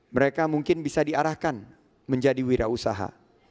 mereka mungkin bisa diarahkan menjadi wira usaha